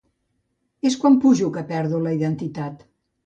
És quan pujo que perdo la identitat.